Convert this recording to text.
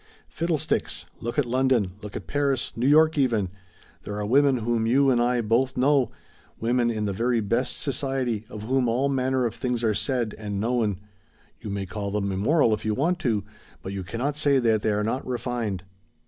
"Fiddlesticks! Look at London, look at Paris, New York even; there are women whom you and I both know, women in the very best society, of whom all manner of things are said and known. You may call them immoral if you want to, but you cannot say that they are not refined."